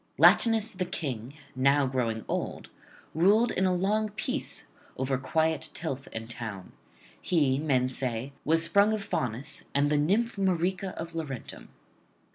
Latinus the King, now growing old, ruled in a long peace over quiet tilth and town. He, men say, was sprung of Faunus and the nymph Marica of Laurentum.